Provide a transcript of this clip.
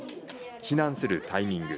避難するタイミング